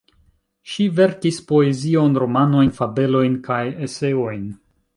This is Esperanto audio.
Ŝi verkis poezion, romanojn, fabelojn kaj Eseojn.